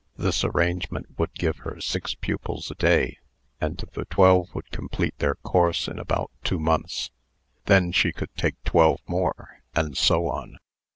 This arrangement would give her six pupils a day; and the twelve would complete their course in about two months. Then she could take twelve more, and so on.